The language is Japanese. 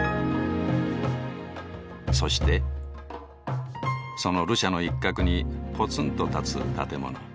そしてそのルシャの一角にぽつんと立つ建物。